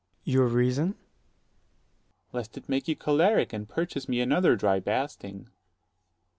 S._ Your reason? 60 Dro. S. Lest it make you choleric, and purchase me another dry basting.